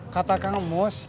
kata kang mus